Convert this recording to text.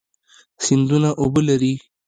سیندونه اوبه لري.